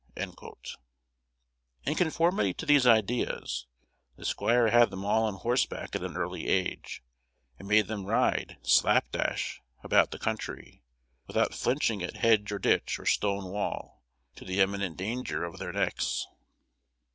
In conformity to these ideas, the squire had them all on horseback at an early age, and made them ride, slap dash, about the country, without flinching at hedge or ditch, or stone wall, to the imminent danger of their necks.